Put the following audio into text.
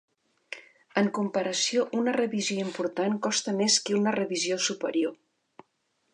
En comparació, una revisió important costa més que una revisió superior.